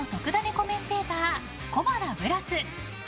コメンテーター小原ブラス。